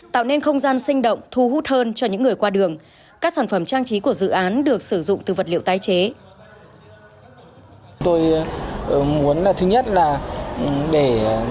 tạo nên không gian sinh động thu hút hơn cho những người qua đường các sản phẩm trang trí của dự án được sử dụng từ vật liệu tái chế